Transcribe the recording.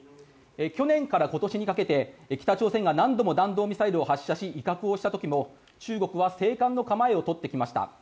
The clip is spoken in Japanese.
去年から今年にかけて北朝鮮が何度も弾道ミサイルを発射し威嚇をした時も、中国は静観の構えを取ってきました。